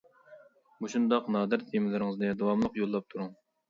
مۇشۇنداق نادىر تېمىلىرىڭىزنى داۋاملىق يوللاپ تۇرۇڭ.